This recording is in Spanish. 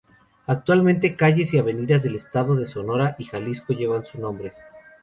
Actualmente calles y avenidas del estado de Sonora y Jalisco llevan su nombre.